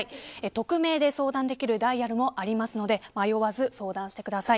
匿名で相談できるダイヤルもありますので迷わず相談してください。